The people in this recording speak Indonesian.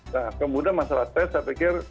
nah kemudian masalah tes saya pikir